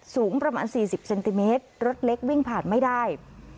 สูงประมาณ๔๐เซนติเมตรรถเล็กวิ่งผ่านไม่ได้